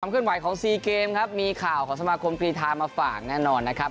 เคลื่อนไหวของซีเกมครับมีข่าวของสมาคมกรีธามาฝากแน่นอนนะครับ